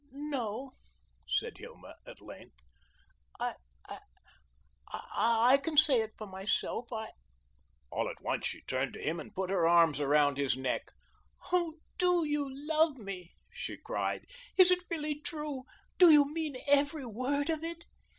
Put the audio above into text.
"No," said Hilma, at length. "I I I can say it for myself. I " All at once she turned to him and put her arms around his neck. "Oh, DO you love me?" she cried. "Is it really true? Do you mean every word of it?